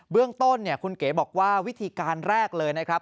เรื่องต้นคุณเก๋บอกว่าวิธีการแรกเลยนะครับ